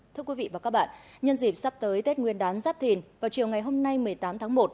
thưa quý vị và các bạn nhân dịp sắp tới tết nguyên đán giáp thìn vào chiều ngày hôm nay một mươi tám tháng một